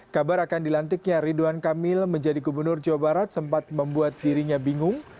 kabar akan dilantiknya ridwan kamil menjadi gubernur jawa barat sempat membuat dirinya bingung